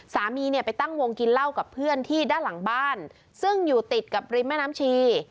สามีเนี่ยไปตั้งวงกินเหล้ากับเพื่อนที่ด้านหลังบ้านซึ่งอยู่ติดกับริมแม่น้ำชี